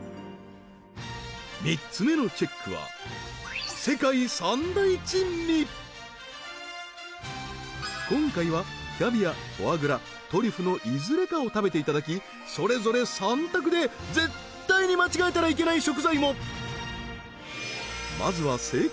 ３つ目のチェックは今回はキャビア・フォアグラ・トリュフのいずれかを食べていただきそれぞれ３択で絶対に間違えたらいけない食材もまずは正解